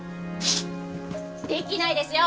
できないですよ！